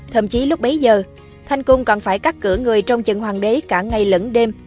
thậm chí lúc bấy giờ thanh cung còn phải cắt cửa người trong trận hoàng đế cả ngày lẫn đêm